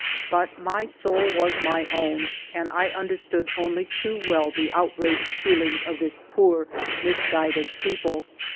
But my soul was my own, and I understood only too well the outraged feelings of this poor misguided people.